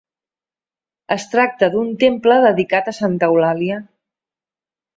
Es tracta d'un temple dedicat a Santa Eulàlia.